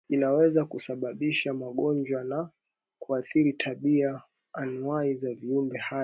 Inaweza kusababisha magonjwa na kuathiri tabia anuwai za viumbe hai